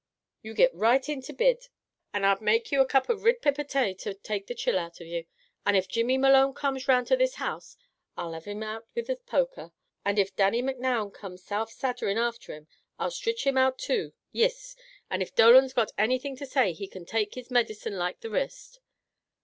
You get right into bid, and I'll make you a cup of rid pipper tay to take the chill out of you. And if Jimmy Malone comes around this house I'll lav him out with the poker, and if Dannie Micnoun comes saft saddering after him I'll stritch him out too; yis, and if Dolan's got anything to say, he can take his midicine like the rist.